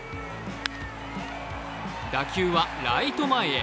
打球はライト前へ。